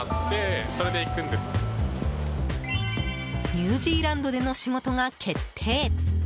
ニュージーランドでの仕事が決定。